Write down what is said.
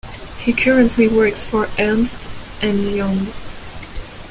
He currently works for Ernst and Young.